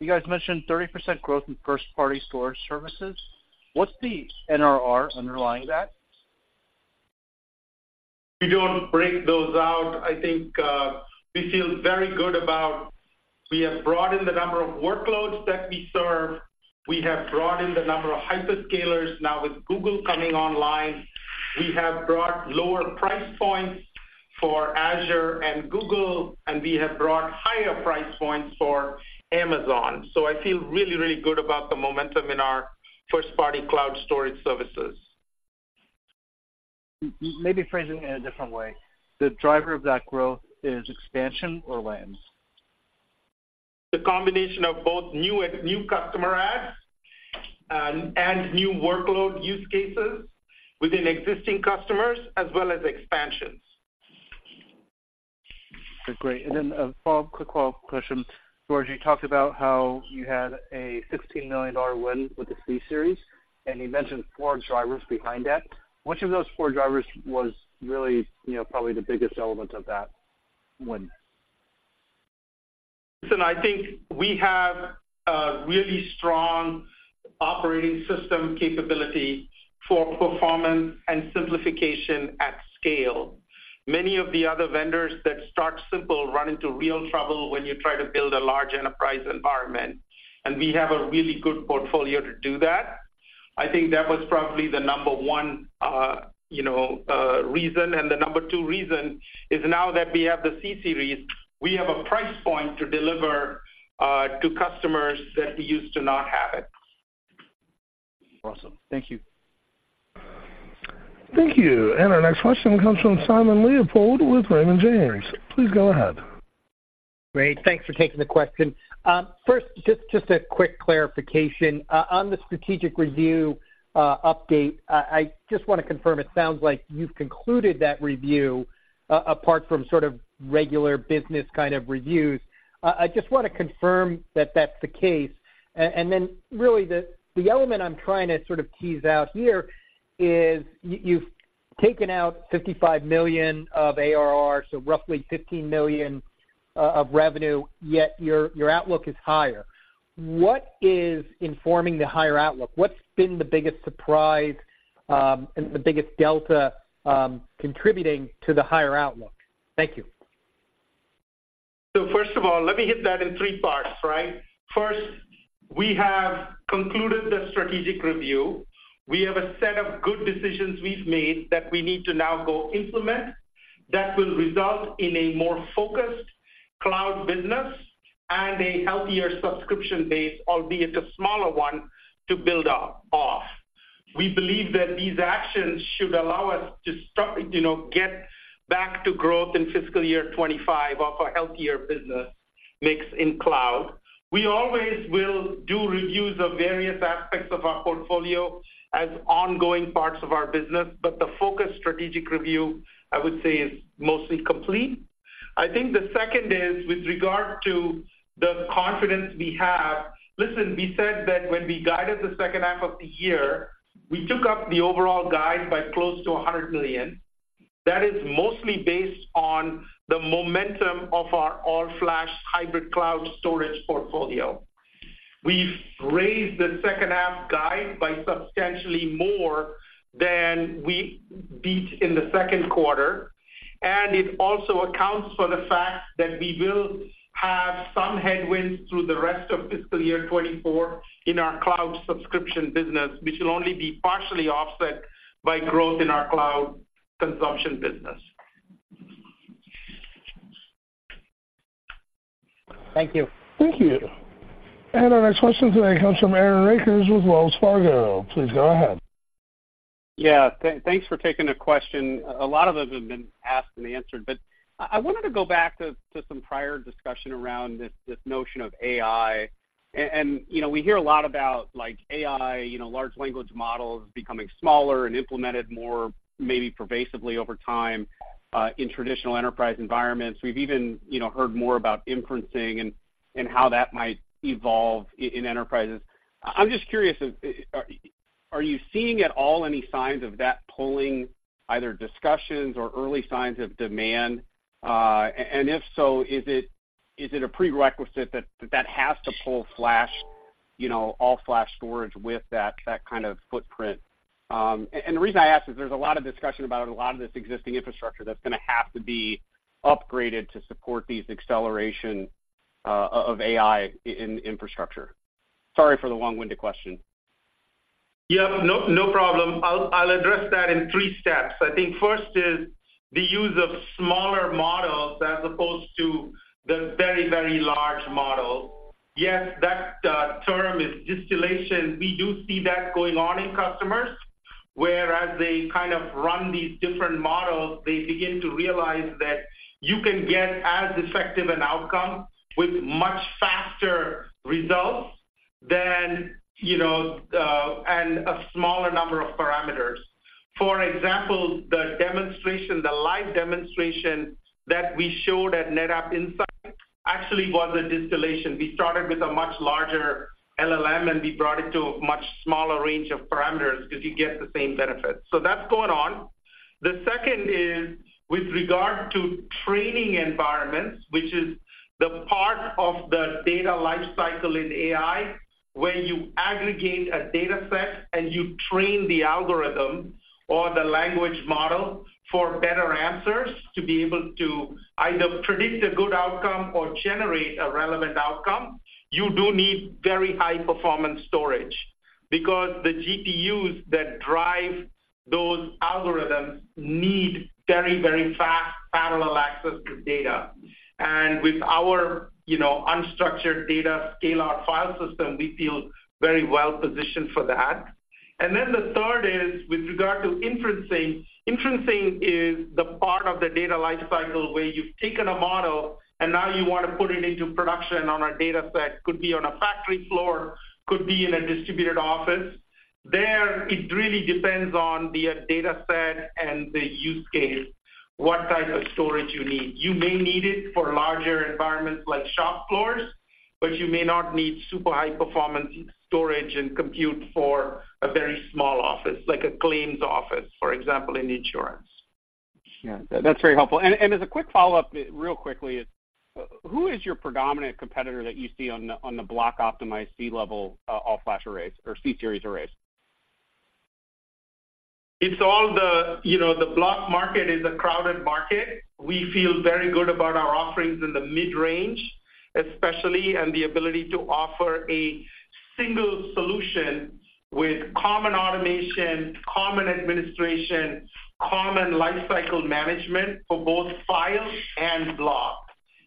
You guys mentioned 30% growth in first-party storage services. What's the NRR underlying that? We don't break those out. I think, we feel very good about. We have broadened the number of workloads that we serve. We have broadened the number of hyperscalers now with Google coming online. We have brought lower price points for Azure and Google, and we have brought higher price points for Amazon. So I feel really, really good about the momentum in our first-party cloud storage services. Maybe phrasing it in a different way. The driver of that growth is expansion or wins? The combination of both new and new customer adds, and new workload use cases within existing customers as well as expansions. Great. And then a follow-up, quick follow-up question. George, you talked about how you had a $16 million win with the C-series, and you mentioned four drivers behind that. Which of those four drivers was really, you know, probably the biggest element of that win? Listen, I think we have a really strong operating system capability for performance and simplification at scale. Many of the other vendors that start simple run into real trouble when you try to build a large enterprise environment, and we have a really good portfolio to do that. I think that was probably the number one, you know, reason, and the number two reason is now that we have the C-Series, we have a price point to deliver, to customers that we used to not have it. Awesome. Thank you. Thank you. Our next question comes from Simon Leopold with Raymond James. Please go ahead. Great. Thanks for taking the question. First, just a quick clarification. On the strategic review update, I just want to confirm, it sounds like you've concluded that review, apart from sort of regular business kind of reviews. I just want to confirm that that's the case. And then really, the element I'm trying to sort of tease out here is you've taken out $55 million of ARR, so roughly $15 million of revenue, yet your outlook is higher. What is informing the higher outlook? What's been the biggest surprise and the biggest delta contributing to the higher outlook? Thank you. So first of all, let me hit that in three parts, right? First, we have concluded the strategic review. We have a set of good decisions we've made that we need to now go implement that will result in a more focused cloud business and a healthier subscription base, albeit a smaller one, to build off, off. We believe that these actions should allow us to start, you know, get back to growth in fiscal year 2025 of a healthier business mix in cloud. We always will do reviews of various aspects of our portfolio as ongoing parts of our business, but the focused strategic review, I would say, is mostly complete. I think the second is with regard to the confidence we have. Listen, we said that when we guided the second half of the year, we took up the overall guide by close to $100 million. That is mostly based on the momentum of our all-flash hybrid cloud storage portfolio. We've raised the second half guide by substantially more than we beat in the second quarter, and it also accounts for the fact that we will have some headwinds through the rest of fiscal year 2024 in our cloud subscription business, which will only be partially offset by growth in our cloud consumption business. Thank you. Thank you. Our next question today comes from Aaron Rakers with Wells Fargo. Please go ahead. Yeah, thanks for taking the question. A lot of those have been asked and answered, but I wanted to go back to some prior discussion around this notion of AI. And, you know, we hear a lot about like AI, you know, large language models becoming smaller and implemented more, maybe pervasively over time in traditional enterprise environments. We've even, you know, heard more about inferencing and how that might evolve in enterprises. I'm just curious, are you seeing at all any signs of that pulling either discussions or early signs of demand? And if so, is it a prerequisite that that has to pull flash? You know, all flash storage with that kind of footprint. And the reason I ask is there's a lot of discussion about a lot of this existing infrastructure that's gonna have to be upgraded to support these acceleration of AI in infrastructure. Sorry for the long-winded question. Yep, no, no problem. I'll, I'll address that in three steps. I think first is the use of smaller models as opposed to the very, very large models. Yes, that term is distillation. We do see that going on in customers, whereas they kind of run these different models, they begin to realize that you can get as effective an outcome with much faster results than, you know, and a smaller number of parameters. For example, the demonstration, the live demonstration that we showed at NetApp Insight actually was a distillation. We started with a much larger LLM, and we brought it to a much smaller range of parameters because you get the same benefits. So that's going on. The second is with regard to training environments, which is the part of the data life cycle in AI, where you aggregate a dataset and you train the algorithm or the language model for better answers, to be able to either predict a good outcome or generate a relevant outcome. You do need very high-performance storage. Because the GPUs that drive those algorithms need very, very fast parallel access to data. And with our, you know, unstructured data, scale-out file system, we feel very well positioned for that. And then the third is with regard to inferencing. Inferencing is the part of the data life cycle where you've taken a model, and now you want to put it into production on a dataset. Could be on a factory floor, could be in a distributed office. There, it really depends on the dataset and the use case, what type of storage you need. You may need it for larger environments like shop floors, but you may not need super high-performance storage and compute for a very small office, like a claims office, for example, in insurance. Yeah, that's very helpful. And as a quick follow-up, real quickly, who is your predominant competitor that you see on the block-optimized C-Series all-flash arrays or C-Series arrays? You know, the block market is a crowded market. We feel very good about our offerings in the mid-range, especially, and the ability to offer a single solution with common automation, common administration, common life cycle management for both file and block,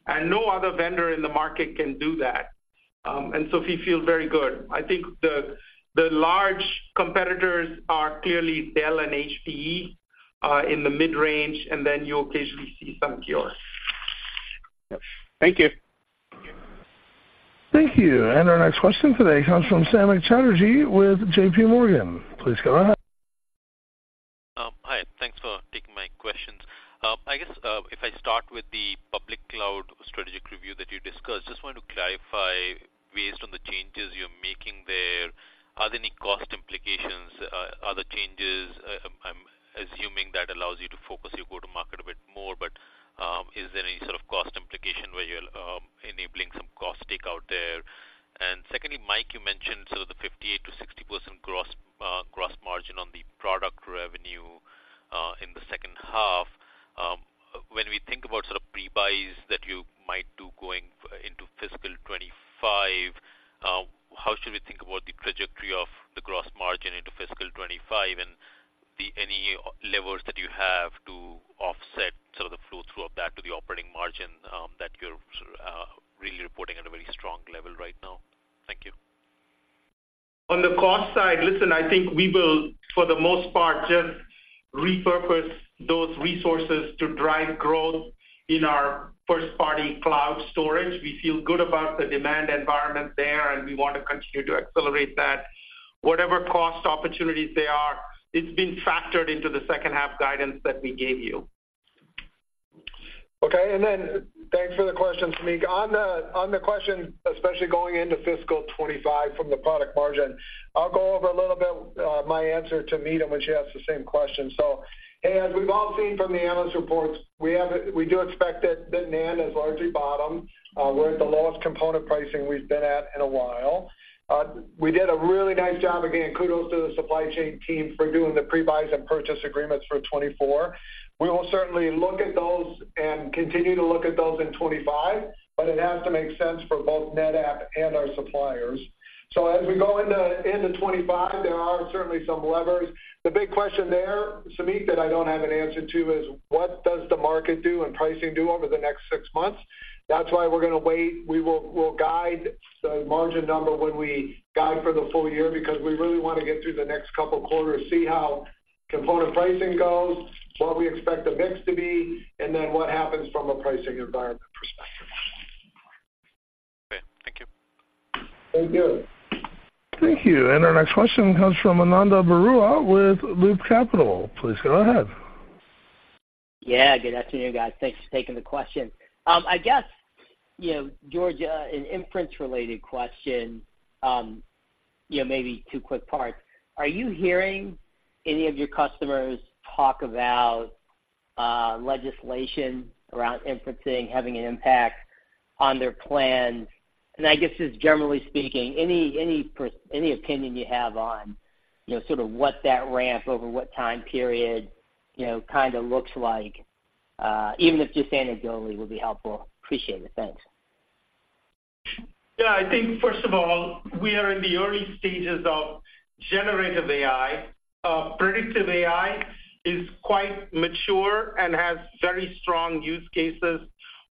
and no other vendor in the market can do that. And so we feel very good. I think the large competitors are clearly Dell and HPE in the mid-range, and then you occasionally see some Pure. Thank you. Thank you. Our next question today comes from Samik Chatterjee with JPMorgan. Please go ahead. Hi, thanks for taking my questions. I guess, if I start with the public cloud strategic review that you discussed, just want to clarify, based on the changes you're making there, are there any cost implications? Are there changes, I'm assuming that allows you to focus your go-to-market a bit more, but, is there any sort of cost implication where you're enabling some cost take out there? And secondly, Mike, you mentioned sort of the 58%-60% gross margin on the product revenue in the second half. When we think about sort of pre-buys that you might do going into fiscal 25, how should we think about the trajectory of the gross margin into fiscal 25 and the any levers that you have to offset some of the flow through back to the operating margin that you're really reporting at a very strong level right now? Thank you. On the cost side, listen, I think we will, for the most part, just repurpose those resources to drive growth in our first-party cloud storage. We feel good about the demand environment there, and we want to continue to accelerate that. Whatever cost opportunities there are, it's been factored into the second half guidance that we gave you. Okay, and then thanks for the question, Samik. On the question, especially going into fiscal 2025 from the product margin, I'll go over a little bit my answer to Meta when she asked the same question. So as we've all seen from the analyst reports, we have, we do expect that NAND has largely bottomed. We're at the lowest component pricing we've been at in a while. We did a really nice job. Again, kudos to the supply chain team for doing the pre-buys and purchase agreements for 2024. We will certainly look at those and continue to look at those in 2025, but it has to make sense for both NetApp and our suppliers. So as we go into 2025, there are certainly some levers. The big question there, Samik, that I don't have an answer to, is: What does the market do and pricing do over the next six months? That's why we're gonna wait. We will, we'll guide the margin number when we guide for the full year, because we really want to get through the next couple of quarters, see how component pricing goes, what we expect the mix to be, and then what happens from a pricing environment perspective. Great. Thank you. Thank you. Thank you. Our next question comes from Ananda Baruah with Loop Capital. Please go ahead. Yeah, good afternoon, guys. Thanks for taking the question. I guess, you know, George, an inference-related question, you know, maybe two quick parts. Are you hearing any of your customers talk about-... legislation around inferencing having an impact on their plans? And I guess just generally speaking, any opinion you have on, you know, sort of what that ramp over what time period, you know, kind of looks like, even if just anecdotally, will be helpful. Appreciate it. Thanks. Yeah, I think first of all, we are in the early stages of Generative AI. Predictive AI is quite mature and has very strong use cases.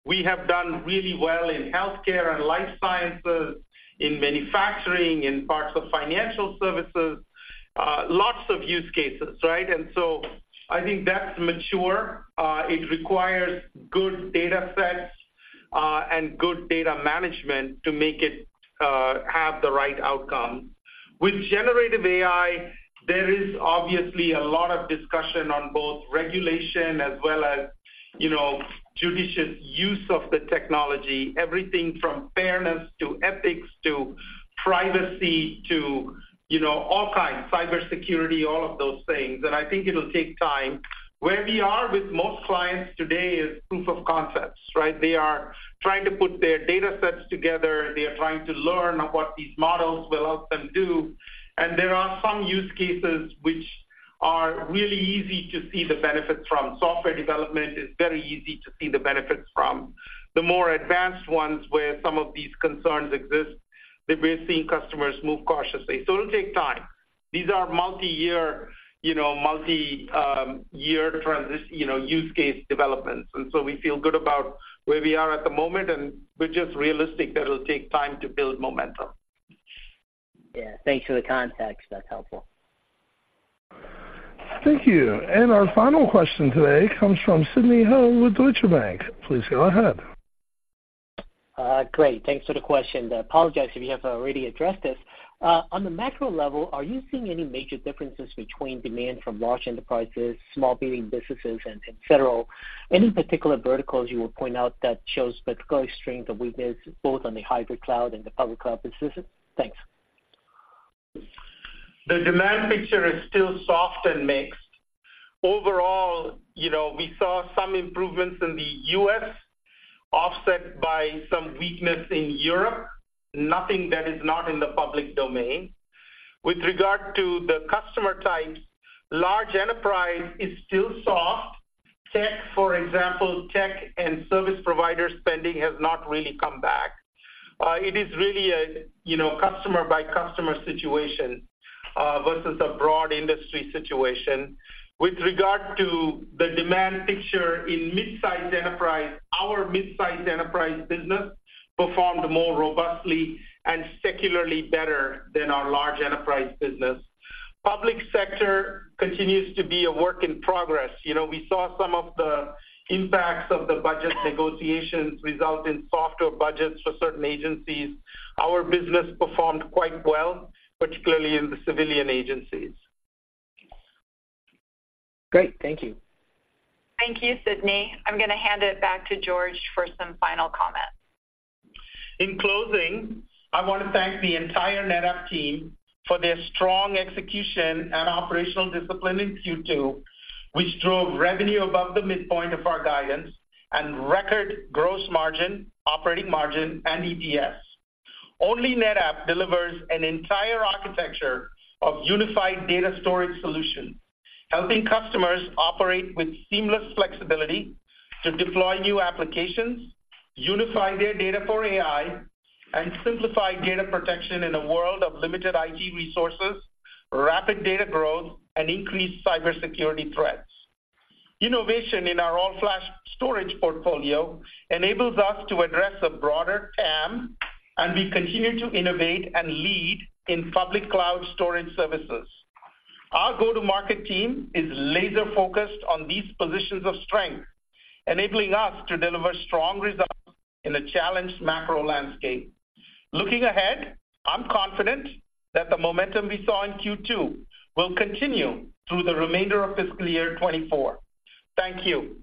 We have done really well in healthcare and life sciences, in manufacturing, in parts of financial services, lots of use cases, right? And so I think that's mature. It requires good data sets, and good data management to make it, have the right outcome. With Generative AI, there is obviously a lot of discussion on both regulation as well as, you know, judicious use of the technology, everything from fairness to ethics to privacy to, you know, all kinds, cybersecurity, all of those things. And I think it'll take time. Where we are with most clients today is proof of concepts, right? They are trying to put their data sets together. They are trying to learn what these models will help them do. And there are some use cases which are really easy to see the benefits from. Software development is very easy to see the benefits from. The more advanced ones, where some of these concerns exist, that we're seeing customers move cautiously. So it'll take time. These are multi-year, you know, use case developments. And so we feel good about where we are at the moment, and we're just realistic that it'll take time to build momentum. Yeah. Thanks for the context. That's helpful. Thank you. Our final question today comes from Sidney Ho with Deutsche Bank. Please go ahead. Great. Thanks for the question. I apologize if you have already addressed this. On the macro level, are you seeing any major differences between demand from large enterprises, small businesses, and federal? Any particular verticals you would point out that shows particular strength or weakness, both on the hybrid cloud and the public cloud business? Thanks. The demand picture is still soft and mixed. Overall, you know, we saw some improvements in the U.S., offset by some weakness in Europe, nothing that is not in the public domain. With regard to the customer types, large enterprise is still soft. Tech, for example, tech and service provider spending has not really come back. It is really a, you know, customer-by-customer situation versus a broad industry situation. With regard to the demand picture in mid-sized enterprise, our mid-sized enterprise business performed more robustly and secularly better than our large enterprise business. Public sector continues to be a work in progress. You know, we saw some of the impacts of the budget negotiations result in softer budgets for certain agencies. Our business performed quite well, particularly in the civilian agencies. Great. Thank you. Thank you, Sidney. I'm going to hand it back to George for some final comments. In closing, I want to thank the entire NetApp team for their strong execution and operational discipline in Q2, which drove revenue above the midpoint of our guidance and record gross margin, operating margin, and EPS. Only NetApp delivers an entire architecture of unified data storage solutions, helping customers operate with seamless flexibility to deploy new applications, unify their data for AI, and simplify data protection in a world of limited IT resources, rapid data growth, and increased cybersecurity threats. Innovation in our all-flash storage portfolio enables us to address a broader TAM, and we continue to innovate and lead in public cloud storage services. Our go-to-market team is laser-focused on these positions of strength, enabling us to deliver strong results in a challenged macro landscape. Looking ahead, I'm confident that the momentum we saw in Q2 will continue through the remainder of fiscal year 2024. Thank you.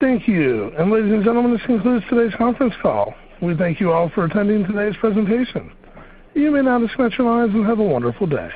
Thank you. Ladies and gentlemen, this concludes today's conference call. We thank you all for attending today's presentation. You may now disconnect your lines and have a wonderful day.